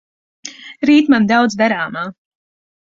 Rīt man daudz darāmā.